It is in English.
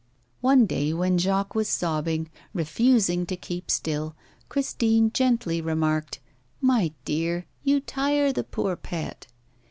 One day, when Jacques was sobbing, refusing to keep still, Christine gently remarked: 'My dear, you tire the poor pet.